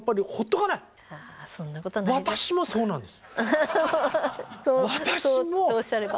はいそうなんです。